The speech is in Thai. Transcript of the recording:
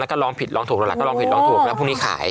แล้วก็ลองผิดลองถูกแล้วล่ะก็ลองผิดลองถูกแล้วพรุ่งนี้ขาย